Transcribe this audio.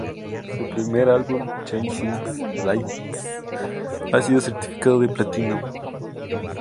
Su primer álbum, "Chasing Lights", ha sido certificado de platino.